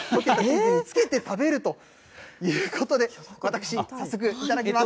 つけて食べるということで、私、早速頂きます。